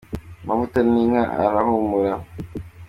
amavutab t'inka arahumura